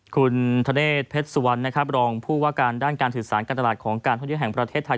คุณธเนศเพชรสุวรรณนะครับรองผู้ว่าการด้านการสื่อสารการตลาดของการท่องเที่ยวแห่งประเทศไทย